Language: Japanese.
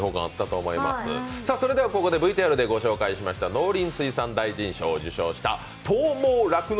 ここでＶＴＲでご紹介しました農林水産大臣賞を受賞しました東毛酪農